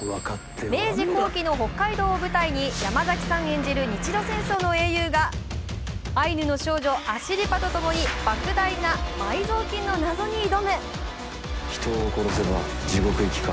明治後期の北海道を舞台に山崎さん演じる日露戦争の英雄がアイヌの少女、アシリパと共にばく大な埋蔵金の謎に挑む。